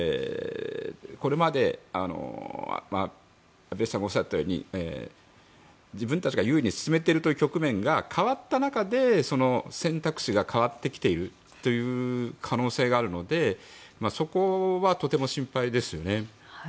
これまで、畔蒜さんがおっしゃったように自分たちが優位に進めている局面が変わった中でその選択肢が変わってきているという可能性があるのでそこはとても心配ですよね。